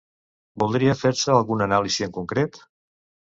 Voldria fer-se algun anàlisi en concret?